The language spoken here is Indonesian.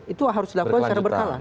itu harus dilakukan secara berkala